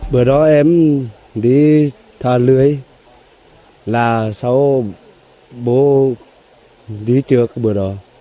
bữa đó em đi thả lưới là sau bố đi trượt bữa đó